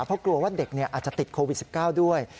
เพราะกลัวว่าเด็กอาจจะติดโควิด๑๙ด้วย